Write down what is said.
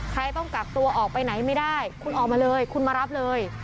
ต้องกักตัวออกไปไหนไม่ได้คุณออกมาเลยคุณมารับเลย